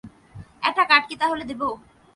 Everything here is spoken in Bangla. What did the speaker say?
একটা কার্ড কি তাহলে দিবো?